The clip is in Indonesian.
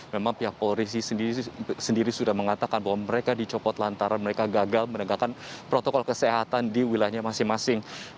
memang pihak polisi sendiri sudah mengatakan bahwa mereka dicopot lantaran mereka gagal menegakkan protokol kesehatan di wilayahnya masing masing